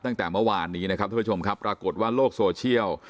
ตั้งแต่เมื่อวานนี้ทุกผู้ชมครับปรากฏว่าโรคโซเชียล